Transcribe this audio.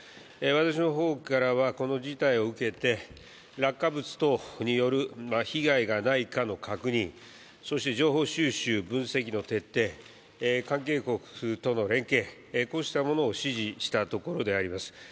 私の方からはこの事態を受けて落下物等による被害がないかの確認、そして情報収集・分析の徹底、関係国との連携、こうしたものを指示したところであります。